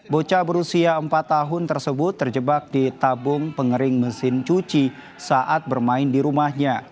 bocah berusia empat tahun tersebut terjebak di tabung pengering mesin cuci saat bermain di rumahnya